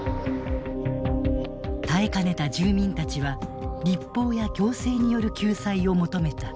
耐えかねた住民たちは立法や行政による救済を求めた。